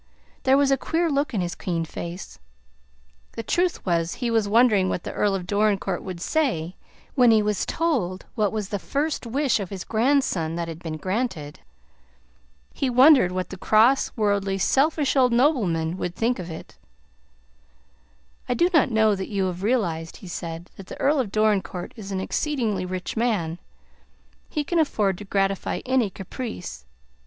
There was a queer look in his keen face. The truth was, he was wondering what the Earl of Dorincourt would say when he was told what was the first wish of his grandson that had been granted. He wondered what the cross, worldly, selfish old nobleman would think of it. "I do not know that you have realized," he said, "that the Earl of Dorincourt is an exceedingly rich man. He can afford to gratify any caprice.